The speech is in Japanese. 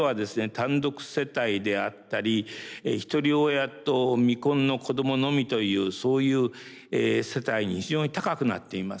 単独世帯であったりひとり親と未婚の子どものみというそういう世帯に非常に高くなっています。